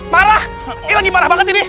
parah ini lagi parah banget ini